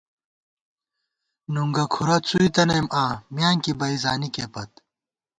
نُنگُہ کُھرَہ څُوئی تنَئیم آں، میانکی بئ زانِکےپت